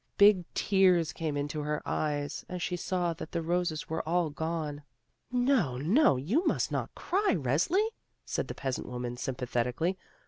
Big tears came into her eyes, as she saw that the roses were all gone. "No, no, you must not cry, Resli," said the peasant woman sympathetically.